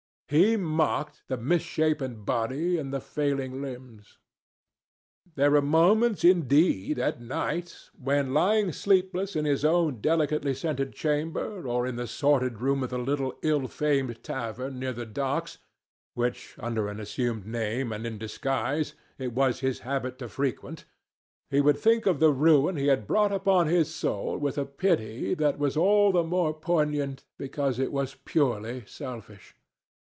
He mocked the misshapen body and the failing limbs. There were moments, indeed, at night, when, lying sleepless in his own delicately scented chamber, or in the sordid room of the little ill famed tavern near the docks which, under an assumed name and in disguise, it was his habit to frequent, he would think of the ruin he had brought upon his soul with a pity that was all the more poignant because it was purely selfish.